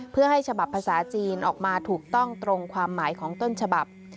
เพื่อให้ฉบับภาษาจีนออกมาถูกต้องตรงความหมายของต้นฉบับ